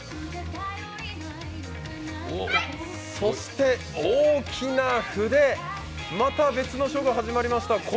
そして大きな筆、また別の書が始まりました。